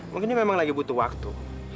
mungkin memang lagi butuh waktu